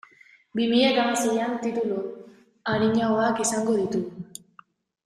Bi mila eta hamaseian titulu arinagoak izango ditugu.